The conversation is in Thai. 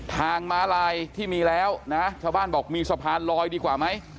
ม้าลายที่มีแล้วนะชาวบ้านบอกมีสะพานลอยดีกว่าไหม